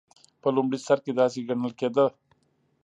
په لومړي سر کې داسې ګڼل کېده.